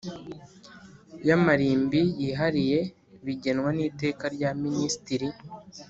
Y amarimbi yihariye bigenwa n iteka rya minisitiri